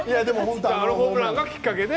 あのホームランがきっかけで。